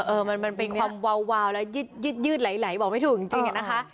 มันเป็นความวาวแล้วยืดไหลบอกไม่ถูกจริงอะนะคะ